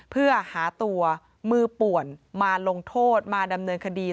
เพื่อหาตัวมือป่วนมาลงโทษมาดำเนินคดี